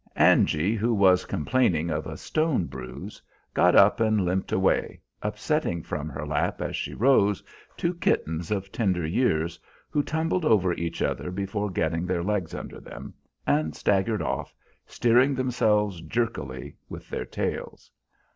Angy, who was complaining of a stone bruise, got up and limped away, upsetting from her lap as she rose two kittens of tender years, who tumbled over each other before getting their legs under them, and staggered off, steering themselves jerkily with their tails.